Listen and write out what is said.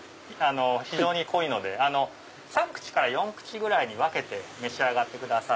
非常に濃いので３口から４口ぐらいに分けて召し上がってください。